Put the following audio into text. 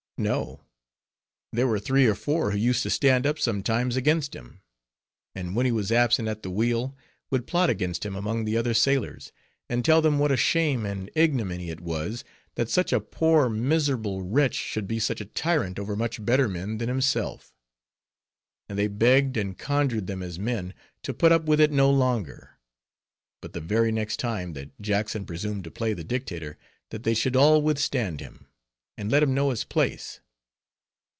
No: there were three or four who used to stand up sometimes against him; and when he was absent at the wheel, would plot against him among the other sailors, and tell them what a shame and ignominy it was, that such a poor miserable wretch should be such a tyrant over much better men than himself. And they begged and conjured them as men, to put up with it no longer, but the very next time, that Jackson presumed to play the dictator, that they should all withstand him, and let him know his place.